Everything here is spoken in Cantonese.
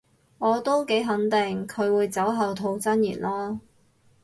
我都幾肯定佢會酒後吐真言囉